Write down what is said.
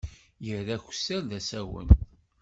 Irra akesser d asawen.